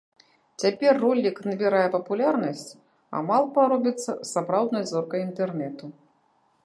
Цяпер ролік набірае папулярнасць, а малпа робіцца сапраўднай зоркай інтэрнету.